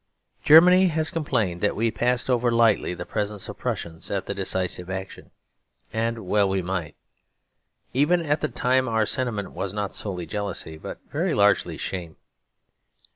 Germany has complained that we passed over lightly the presence of Prussians at the decisive action. And well we might. Even at the time our sentiment was not solely jealousy, but very largely shame.